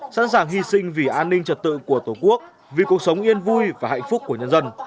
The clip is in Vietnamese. sẵn sàng hy sinh vì an ninh trật tự của tổ quốc vì cuộc sống yên vui và hạnh phúc của nhân dân